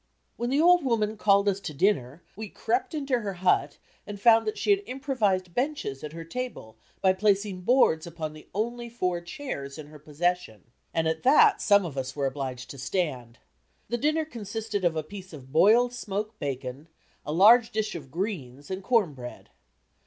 When the old woman called us to dinner we crept into her hut and found that she had improvised benches at her table by placing boards upon the only four chairs in her possession, and at that, some of us were obliged to stand. The dinner consisted of a piece of boiled smoked bacon, a large dish of "greens," and corn bread.